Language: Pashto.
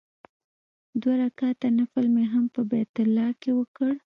دوه رکعاته نفل مې هم په بیت الله کې وکړ.